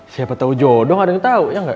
siapa tau jodoh ada yang tau iya ga